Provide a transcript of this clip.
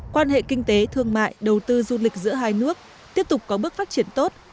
quan hệ kinh tế thương mại đầu tư du lịch giữa hai nước tiếp tục có bước phát triển tốt